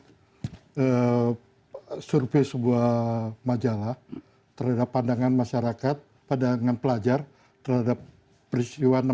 saya survei sebuah majalah terhadap pandangan masyarakat pandangan pelajar terhadap peristiwa enam puluh